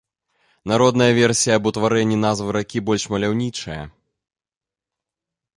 Народная версія аб утварэнні назвы ракі больш маляўнічая.